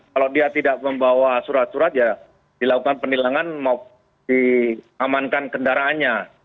kalau dia tidak membawa surat surat ya dilakukan penilangan mau diamankan kendaraannya